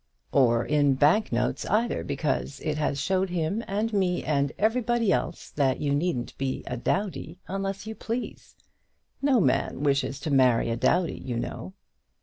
"Or in bank notes either, because it has shown him and me and everybody else that you needn't be a dowdy unless you please. No man wishes to marry a dowdy, you know."